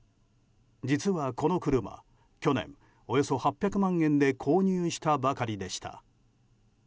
実は、この車去年およそ８００万円で購入したばかりでした。